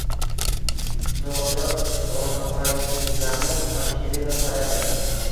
Nodira o`ng`aysizlanib hamshiraga qaradi